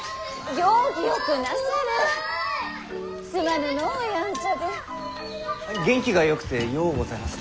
元気がよくてようございますな。